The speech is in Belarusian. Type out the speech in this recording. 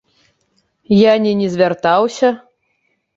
Я не не звяртаўся.